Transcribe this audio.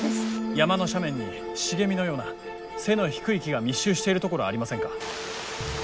山の斜面に茂みのような背の低い木が密集しているところありませんか？